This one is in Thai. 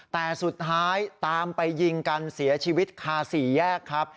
แต่สุดท้ายตามไปยิงกันเสียชีวิตคาสี่แยกครับ